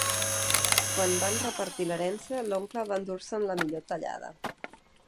Quan van repartir l'herència, l'oncle va endur-se'n la millor tallada.